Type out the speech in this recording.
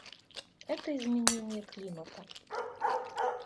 Это изменение климата.